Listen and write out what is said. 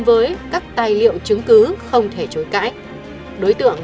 mà phải để tâm tâm